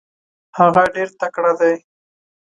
هغه ډیر تکړه دی.